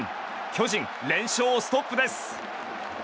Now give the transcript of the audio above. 巨人、連勝ストップです。